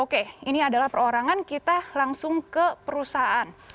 oke ini adalah perorangan kita langsung ke perusahaan